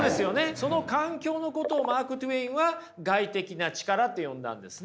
その環境のことをマーク・トウェインは「外的な力」って呼んだんですね。